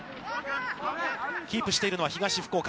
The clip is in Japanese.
キープしているのは、東福岡。